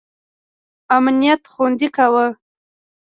امنیت خوندي کاوه.